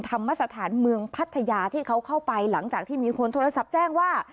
ธรรมสถานเมืองพัทยาที่เขาเข้าไปหลังจากที่มีคนโทรศัพท์แจ้งว่า